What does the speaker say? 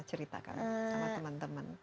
ceritakan sama temen temen